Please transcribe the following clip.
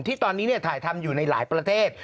ที่ตอนนี้ถ่ายทำอยู่ในหลายประเทศ